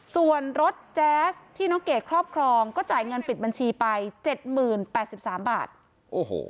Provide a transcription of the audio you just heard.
ส่วนรถแจ๊สที่น้องเกดครอบครองก็จ่ายเงินปิดบัญชีไปเจ็ดหมื่นแปดสิบสามบาทโอ้โห